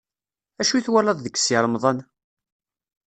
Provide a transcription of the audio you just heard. Acu i twalaḍ deg Si Remḍan?